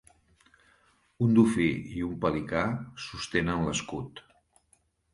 Un dofí i un pelicà sostenen l'escut.